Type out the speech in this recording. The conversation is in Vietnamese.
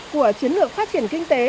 của chiến lược phát triển kinh tế